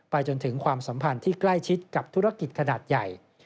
จนถึงความสัมพันธ์ที่ใกล้ชิดกับธุรกิจขนาดใหญ่